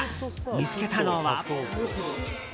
見つけたのは。